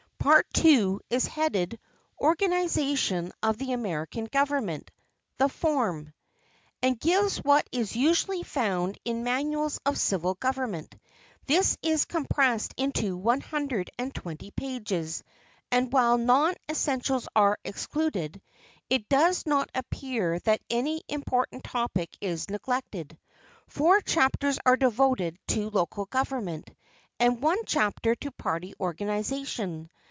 Part II is headed, "The Organization of the American Government. The Form"; and gives what is usually found in manuals of civil government. This is compressed into one hundred and twenty pages, and while non essentials are excluded, it does not appear that any important topic is neglected. Four chapters are devoted to local government, and one chapter to party organization.